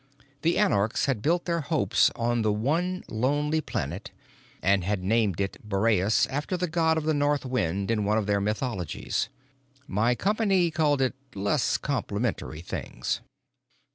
The anarchs had built their hopes on the one lonely planet, and had named it Boreas after the god of the north wind in one of their mythologies. My company called it less complimentary things.